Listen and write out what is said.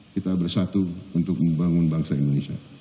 kita bersatu untuk membangun bangsa indonesia